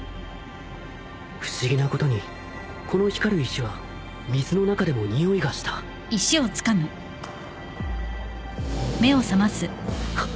不思議なことにこの光る石は水の中でもにおいがしたハッ！？